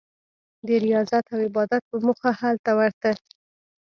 د ریاضت او عبادت په موخه هلته ورته.